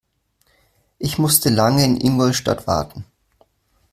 Ich musste lange in Ingolstadt warten